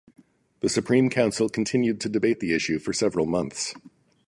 The Supreme Council continued to debate the issue for several months.